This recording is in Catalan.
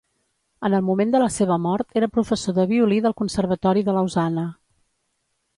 En el moment de la seva mort era professor de violí del Conservatori de Lausana.